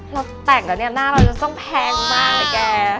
เราแต่งแล้วเนี่ยหน้าเราจะต้องแพงมากเลยแก